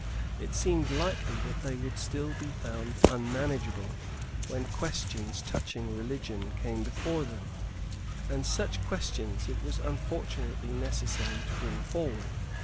It seemed likely that they would still be found unmanageable when questions touching religion came before them; and such questions it was unfortunately necessary to bring forward.